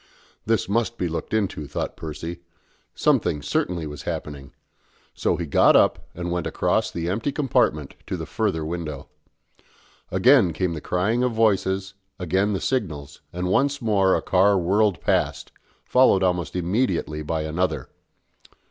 This must be looked into, thought Percy: something certainly was happening; so he got up and went across the empty compartment to the further window. Again came the crying of voices, again the signals, and once more a car whirled past, followed almost immediately by another.